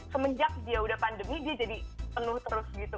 semenjak dia udah pandemi dia jadi penuh terus gitu